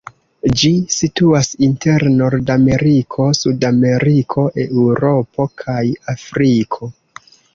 Ĝi situas inter Nordameriko, Sudameriko, Eŭropo kaj Afriko.